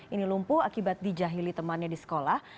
ini lumpuh akibat dijahili temannya di sekolah